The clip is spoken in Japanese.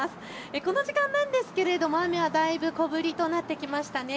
この時間なんですけれども雨はだいぶ小降りとなってきましたね。